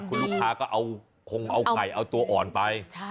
คุณลูกค้าก็เอาคงเอาไก่เอาตัวอ่อนไป